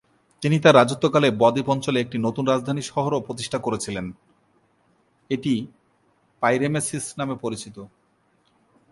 তিনি তাঁর রাজত্বকালে বদ্বীপ অঞ্চলে একটি নতুন রাজধানী শহরও প্রতিষ্ঠা করেছিলেন, এটি পাই-রেমেসিস নামে পরিচিত।